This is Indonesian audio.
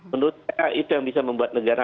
menurut saya itu yang bisa membuat negara